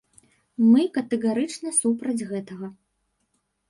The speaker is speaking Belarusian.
Мы катэгарычна супраць гэтага.